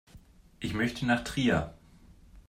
Ich möchte nach Trier